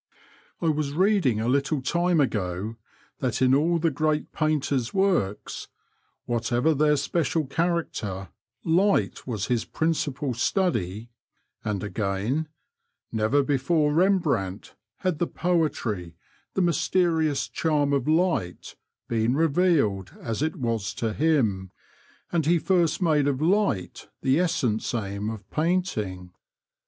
I was reading a little time ago that in all the great painter's works, "whatever their special character, light was his principal study, '* and, again, Never before Rembrandt had the poetry, the mysterious charm of light, been revealed as it was to him, and he first made of light the essence aim of painting."